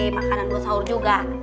makanan buat sahur juga